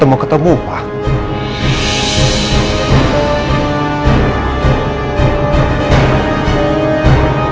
tadi aku nyariin handphone andin